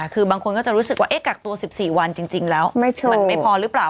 คือบางคนก็จะรู้สึกว่ากักตัว๑๔วันจริงแล้วมันไม่พอหรือเปล่า